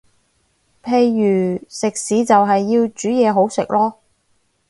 譬如食肆就係要煮嘢好食囉